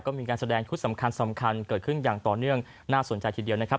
ก็มีการแสดงชุดสำคัญสำคัญเกิดขึ้นอย่างต่อเนื่องน่าสนใจทีเดียวนะครับ